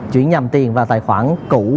chuyển nhầm tiền vào tài khoản cũ